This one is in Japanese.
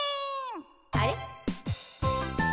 あれ？